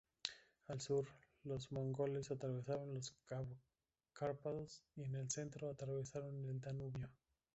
Al sur, los mongoles atravesaron los Cárpatos, y en el centro, atravesaron el Danubio.